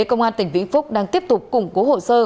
công an tỉnh vĩnh phúc đang tiếp tục củng cố hồ sơ